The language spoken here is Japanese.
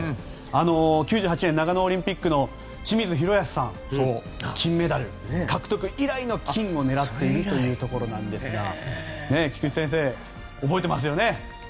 １９９８年の長野オリンピックの清水宏保さんの金メダル獲得以来の金を狙っているというところですが菊地先生、覚えていますよね。